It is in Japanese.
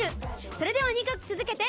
それでは２曲続けて。